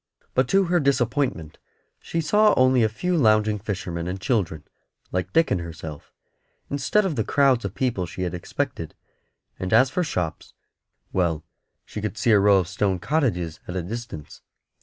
But to her disappointment she saw only a few lounging fishermen and children like herself and Dick instead of the crowds of people she had expected; and as for shops well, she could see a row of stone cottages at a distance.